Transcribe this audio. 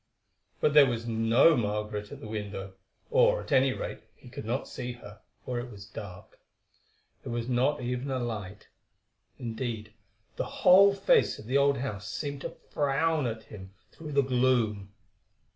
But there was no Margaret at the window, or at any rate he could not see her, for it was dark. There was not even a light; indeed the whole face of the old house seemed to frown at him through the gloom.